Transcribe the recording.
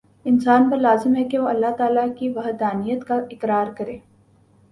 انسان پر لازم ہے کہ وہ اللہ تعالی کی وحدانیت کا اقرار کرے